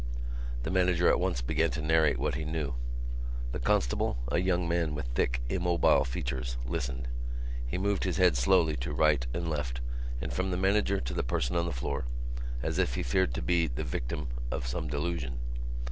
The manager at once began to narrate what he knew. The constable, a young man with thick immobile features, listened. He moved his head slowly to right and left and from the manager to the person on the floor, as if he feared to be the victim of some delusion.